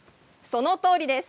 そのとおりです。